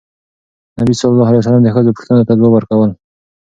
نبي ﷺ د ښځو پوښتنو ته ځواب ورکول.